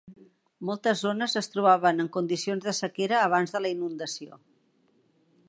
Moltes zones es trobaven en condicions de sequera abans de la inundació.